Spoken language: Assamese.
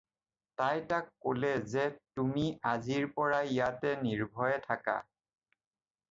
"তাই তাক ক'লে যে- "তুমি আজিৰ পৰা ইয়াতে নিৰ্ভয়ে থাকা।"